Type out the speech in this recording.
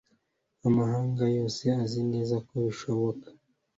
amahanga yose azi neza ko bishoboka.